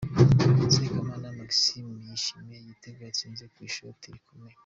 Sekamana Maxime yishimira igitego yatsinze ku ishoti rikomeye.